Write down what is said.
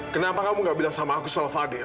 kenapa kamu gak bilang sama aku soal fadil